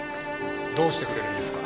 どうしてくれるんですか？